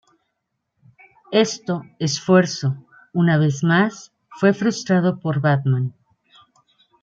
Esto esfuerzo, una vez más, fue frustrado por Batman.